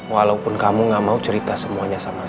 walaupun kamu gak mau cerita semuanya sama sama